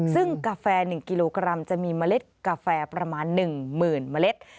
ซึ่งกาแฟ๑กิโลกรัมจะมีเมล็ดกาแฟประมาณ๑๐๐๐เมล็ด